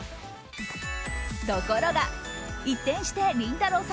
ところが、一転してりんたろー。